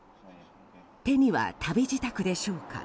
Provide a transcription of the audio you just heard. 手には旅支度でしょうか。